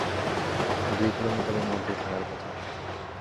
দুই কিলোমিটারের মধ্যেই থাকার কথা।